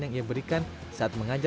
yang ia berikan saat mengajar